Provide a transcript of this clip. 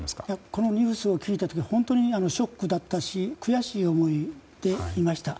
このニュースを聞いた時本当にショックだったし悔しい思いでいました。